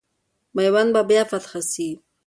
میوند به بیا فتح سي.